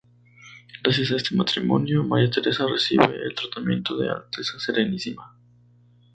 Gracias a este matrimonio, María Teresa recibe el tratamiento de "Alteza Serenísima".